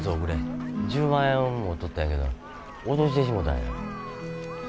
１０万円持っとったんやけど落としてしもたんや。